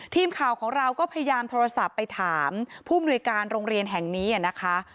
ทีมข่าวของเราก็พยายามโทรศัพท์ไปถามผู้มนุยการโรงเรียนแห่งนี้นะคะ